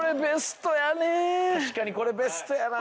確かにこれベストやなあ。